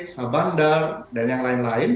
sabanda dan yang lain lain